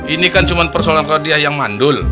ini kan cuma persoalan rodiah yang mandul